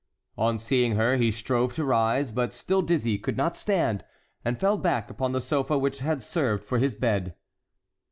On seeing her he strove to rise, but, still dizzy, could not stand, and fell back upon the sofa which had served for his bed.